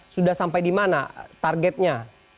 sudah sampai di mana targetnya